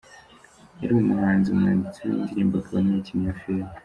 Yari umuhanzi, umwanditsi w’indirimbo akaba n’umukinnyi wa filime.